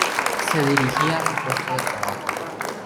Se dirigía a su puesto de trabajo.